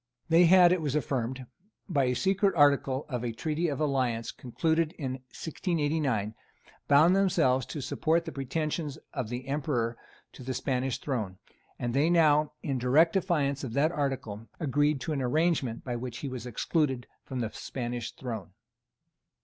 They had, it was affirmed, by a secret article of a Treaty of Alliance concluded in 1689, bound themselves to support the pretensions of the Emperor to the Spanish throne; and they now, in direct defiance of that article, agreed to an arrangement by which he was excluded from the Spanish throne.